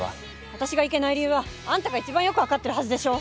私がいけない理由はあんたが一番よく分かってるはずでしょ。